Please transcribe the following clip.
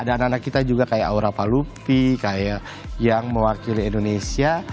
dan anak kita juga kayak aura falupi kayak yang mewakili indonesia